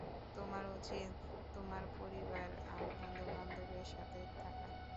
তোমার উচিৎ তোমার পরিবার আর বন্ধুবান্ধবদের সাথে থাকা।